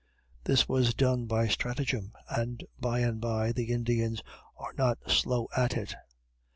This was done by stratagem, (and, by the by, the Indians are not slow at it.)